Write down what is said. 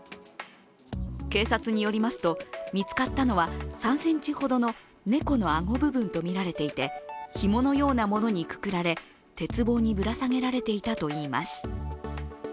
警察によりますと見つかったのは３ｃｍほどの猫の顎部分とみられていてひものようなものにくくられ鉄棒にぶら下げられていたといいます。